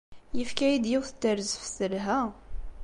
Yefka-yi-d yiwet n terzeft telha.